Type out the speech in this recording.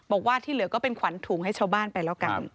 บอกว่าที่เหลือก็เป็นขวัญถุงให้ชาวบ้านไปแล้วกัน